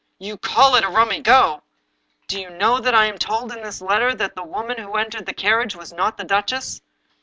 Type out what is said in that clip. " You call it a rummy go! Do you know that I am told in this letter that the woman who entered the carriage was not the duchess?